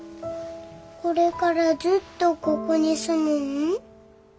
これからずっとここに住むん？